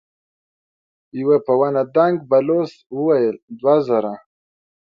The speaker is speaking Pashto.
يوه په ونه دنګ بلوڅ وويل: دوه زره.